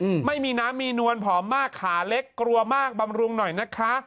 อืมไม่มีน้ำมีนวลผอมมากขาเล็กกลัวมากบำรุงหน่อยนะคะ